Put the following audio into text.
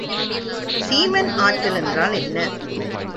சீமன் ஆற்றல் என்றால் என்ன?